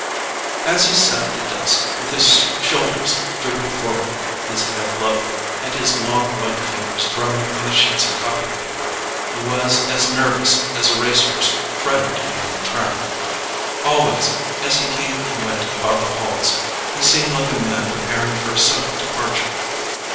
As he sat at the desk with his shoulders drooping forward, his head low, and his long, white fingers drumming on the sheets of copy paper, he was as nervous as a race horse fretting to be on the track. Always, as he came and went about the halls, he seemed like a man preparing for a sudden departure.